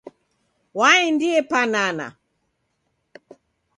Waendie panana.